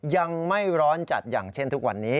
ยังไม่ร้อนจัดอย่างเช่นทุกวันนี้